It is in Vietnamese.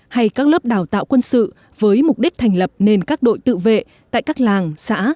hay các lớp đào tạo quân sự với mục đích thành lập nên các đội tự vệ tại các làng xã